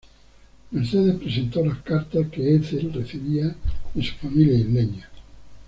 Mercedes presentó las cartas que Ethel recibía de su familia isleña.